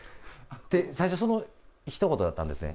って、最初、そのひと言だったんですよ。